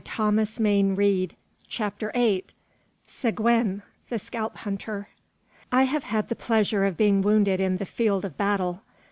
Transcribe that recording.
The fandango was over. CHAPTER EIGHT. SEGUIN THE SCALP HUNTER. I have had the pleasure of being wounded in the field of battle.